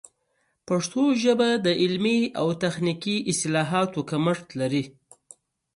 پښتو ژبه د علمي او تخنیکي اصطلاحاتو کمښت لري.